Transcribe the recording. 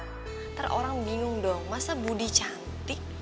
nanti orang bingung dong masa budi cantik